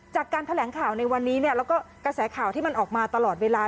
จากการแถลงข่าวในวันนี้แล้วก็กระแสข่าวที่มันออกมาตลอดเวลา